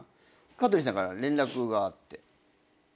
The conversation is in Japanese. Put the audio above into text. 香取さんから連絡があって。